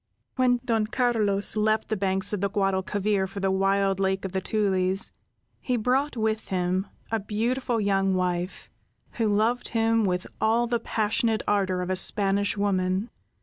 When Don Carlos left the banks of the Guadalquivir for the wild Lake of the Tulies, he brought with him a beautiful young wife, who loved him with all the passionate ardor of a Spanish woman.